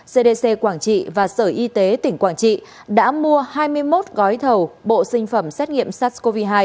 cdc quảng trị và sở y tế tỉnh quảng trị đã mua hai mươi một gói thầu bộ sinh phẩm xét nghiệm sars cov hai